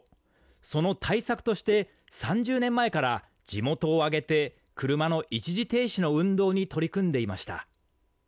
その対策として３０年前から地元を挙げて車の一時停止の運動に取り組んでいました。